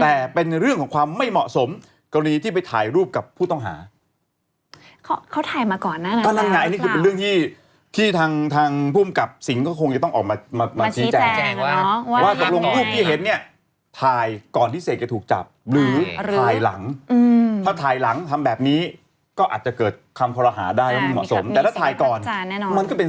แต่เป็นเรื่องของความไม่เหมาะสมกันนี้ที่ไปถ่ายรูปกับผู้ต้องหาเขาถ่ายมาก่อนน่ะนะครับก็นั่งไงนี่คือเป็นเรื่องที่ทางผู้มกับสิงห์ก็คงจะต้องออกมาชี้แจงนะครับว่ากับลงรูปที่เห็นเนี่ยถ่ายก่อนที่เศกจะถูกจับหรือถ่ายหลังถ้าถ่ายหลังทำแบบนี้ก็อาจจะเกิดคำพอรหาได้ไม่เหมาะสมแต่ถ้าถ่ายก่อนมันก็เป็น